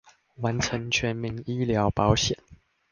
完成全民醫療保險